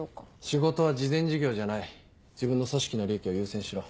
仕事は慈善事業じゃない自分の組織の利益を優先しろ。